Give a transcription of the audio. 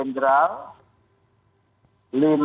ada juga obp ya